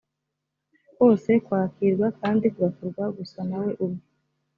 kose kwakirwa kandi kugakorwa gusa nawe ubwe